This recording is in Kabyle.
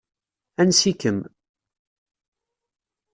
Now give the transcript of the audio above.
Ansi-kem.